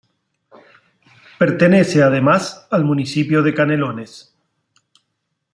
Pertenece además al municipio de Canelones.